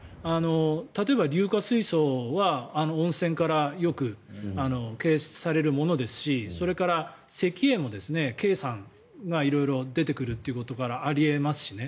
例えば硫化水素は、温泉からよく検出されるものですしそれから、石英もケイ酸が色々出てくるということからあり得ますしね。